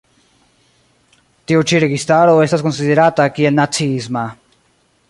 Tiu ĉi registaro estas konsiderata kiel naciisma.